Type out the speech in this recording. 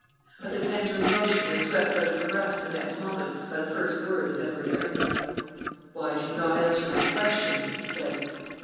But the tender emotion was swept out of her breast the next moment by the first words of Edward Arundel. "Why do you not answer my question?" he said.